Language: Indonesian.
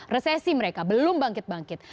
resesi mereka belum bangkit bangkit